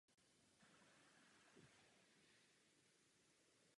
O rok později již byl závodním jezdcem továrního týmu Alfa Romeo.